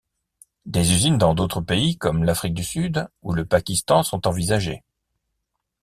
Des usines dans d'autres pays, comme l'Afrique du Sud, ou le Pakistan sont envisagées.